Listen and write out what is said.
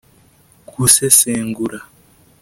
gusesengura